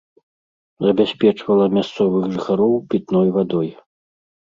Забяспечвала мясцовых жыхароў пітной вадой.